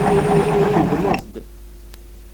Tugmeḍ-d.